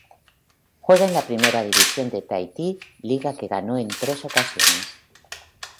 Juega en la Primera División de Tahití, liga que ganó en tres ocasiones.